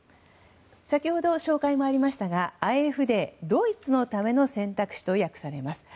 先ほど紹介もありましたがＡｆＤ・ドイツのための選択肢と訳されます。